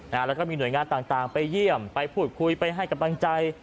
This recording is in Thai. แล้วก็มีหน่วยงานต่างไปเยี่ยมไปพูดคุยไปให้กำลังใจ